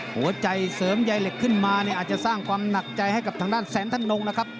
หัวใจเสริมใยเหล็กขึ้นมาเนี่ยอาจจะสร้างความหนักใจให้กับทางด้านแสนท่านนงนะครับ